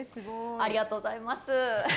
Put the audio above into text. ありがとうございます。